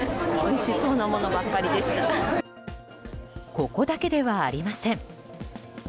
ここだけではありません。